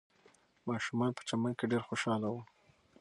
ماشومان په چمن کې ډېر خوشحاله وو.